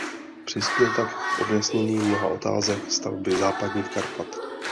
Přispěl tak k objasnění mnoha otázek stavby Západních Karpat.